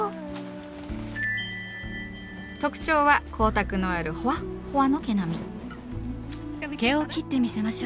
特徴は光沢のあるほわっほわの毛並み。